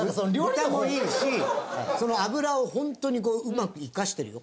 豚もいいしその脂を本当にこううまく生かしてるよ。